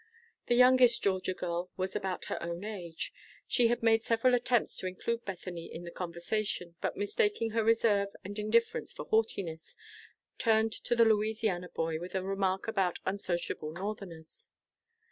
The youngest Georgia girl was about her own age. She had made several attempts to include Bethany in the conversation, but mistaking her reserve and indifference for haughtiness, turned to the Louisiana boy with a remark about unsociable Northerners.